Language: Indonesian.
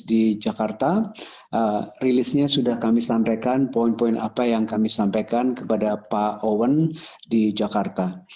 di jakarta rilisnya sudah kami sampaikan poin poin apa yang kami sampaikan kepada pak owen di jakarta